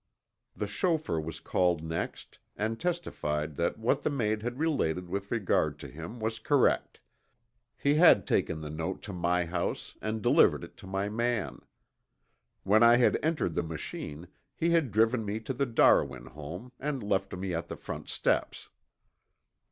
The chauffeur was called next and testified that what the maid had related with regard to him was correct. He had taken the note to my house and delivered it to my man. When I had entered the machine he had driven me to the Darwin home and left me at the front steps.